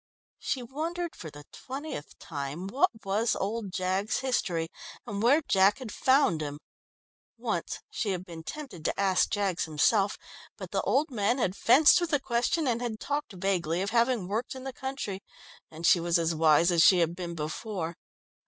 She wondered for the twentieth time what was old Jaggs's history, and where Jack had found him. Once she had been tempted to ask Jaggs himself, but the old man had fenced with the question, and had talked vaguely of having worked in the country, and she was as wise as she had been before.